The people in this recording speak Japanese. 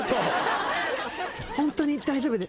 ホントに大丈夫。